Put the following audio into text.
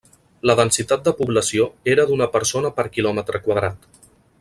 La densitat de població era d'una persona per quilòmetre quadrat.